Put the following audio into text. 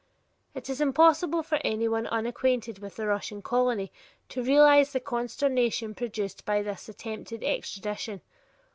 It is impossible for anyone unacquainted with the Russian colony to realize the consternation produced by this attempted extradition.